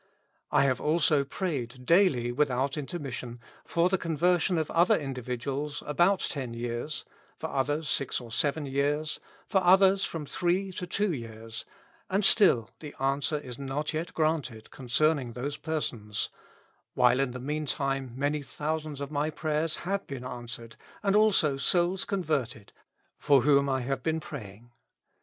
I have also prayed daily v^ithout intermission for the conversion of other individuals about ten years, for others six or seven years, for others from three or tw^o years ; and still the answer is not yet granted concerning those persons, while in the meantime many thousands of my prayers have been answered, and also souls converted, for whom I have been praying.